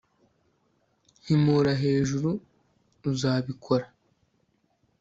himura hejuru, uzabikora